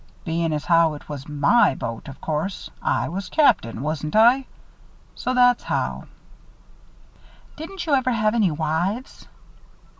Bein' as how it was my boat, of course I was Captain, wasn't I? So that's how." "Didn't you ever have any wives?"